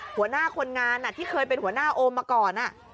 หัวหน้าคนงานที่เคยเป็นหัวหน้าโอมมาก่อน